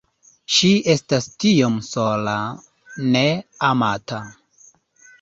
Ŝi estas tiom sola... ne amata